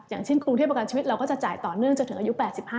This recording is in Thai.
อย่างเช่นกรุงเทพประกันชีวิตเราก็จะจ่ายต่อเนื่องจนถึงอายุ๘๕